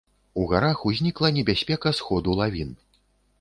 У гарах ўзнікла небяспека сходу лавін.